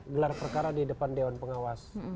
gelar perkara di depan dewan pengawas